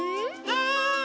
はい！